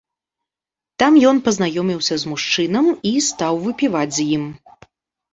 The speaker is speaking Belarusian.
Там ён пазнаёміўся з мужчынам і стаў выпіваць з ім.